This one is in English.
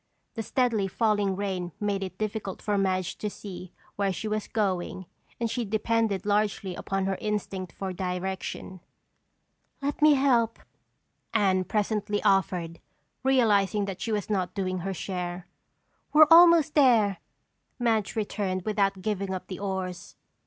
The steadily falling rain made it difficult for Madge to see where she was going and she depended largely upon her instinct for direction. "Let me help," Anne presently offered, realizing that she was not doing her share. "We're almost there," Madge returned without giving up the oars.